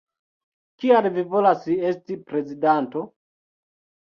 Kial vi volas esti prezidanto?